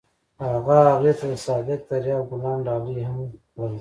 هغه هغې ته د صادق دریاب ګلان ډالۍ هم کړل.